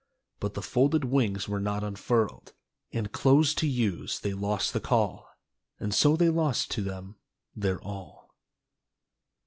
But the folded wings were not unfurled And closed to use they lost the call, And so they lost to them their all.